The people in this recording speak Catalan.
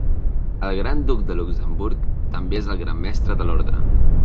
El Gran Duc de Luxemburg també és el Gran Mestre de l'Ordre.